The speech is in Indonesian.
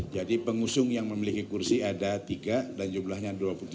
jadi pengusung yang memiliki kursi ada tiga dan jumlahnya dua puluh tujuh